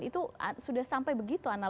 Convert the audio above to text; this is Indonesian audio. itu sudah sampai begitu analis